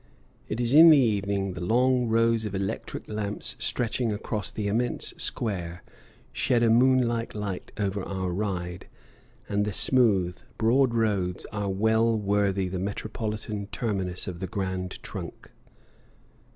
It is in the evening; the long rows of electric lamps stretching across the immense square shed a moon like light over our ride, and the smooth, broad roads are well worthy the metropolitan terminus of the Grand Trunk.